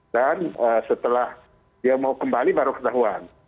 dan setelah dia mau kembali baru ketahuan